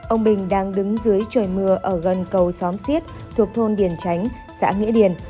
ông bình đang đứng dưới trời mưa ở gần cầu xóm xiết thuộc thôn điền tránh xã nghĩa điền